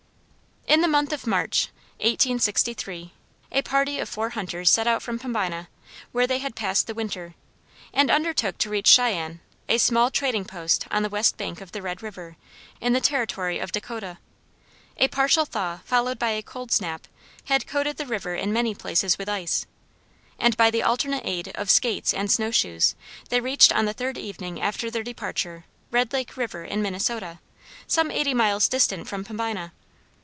In the month of March, 1863, a party of four hunters set out from Pembina, where they had passed the winter, and undertook to reach Shyenne, a small trading post on the west bank of the Red river, in the territory of Dakota. A partial thaw, followed by a cold snap, had coated the river in many places with ice, and by the alternate aid of skates and snow shoes, they reached on the third evening after their departure, Red Lake river in Minnesota, some eighty miles distant from Pembina.